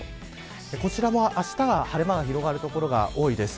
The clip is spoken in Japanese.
こちらは、あしたは晴れ間が広がる所が多いです。